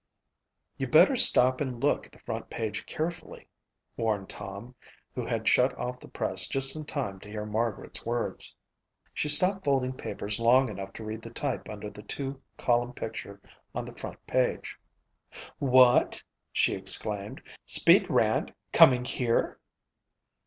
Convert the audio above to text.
"You'd better stop and look at the front page carefully," warned Tom, who had shut off the press just in time to hear Margaret's words. She stopped folding papers long enough to read the type under the two column picture on the front page. "What!" she exclaimed, "'Speed' Rand coming here?"